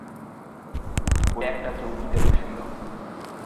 বলিয়া একটা চৌকিতে বসিল।